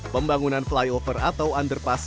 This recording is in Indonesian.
pembangunan flyover atau underpass